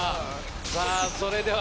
さぁそれでは。